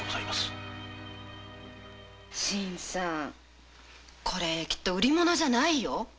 新さんこれは売り物じゃないね。